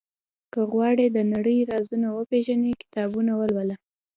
• که غواړې د نړۍ رازونه وپېژنې، کتابونه ولوله.